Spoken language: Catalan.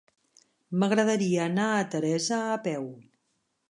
M'agradaria anar a Teresa a peu.